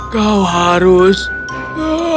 kau harus pergi ke sana